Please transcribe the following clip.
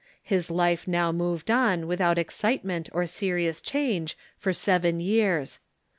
His life now moved on without excitement or serious change for seven years.